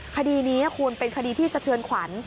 คดีนี้คุณเป็นคดีที่สะเทือนขวัญ